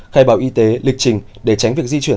khai báo y tế lịch trình để tránh việc di chuyển